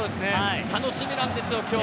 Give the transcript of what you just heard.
楽しみなんですよ、今日。